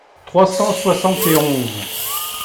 trois cent soixante et onze).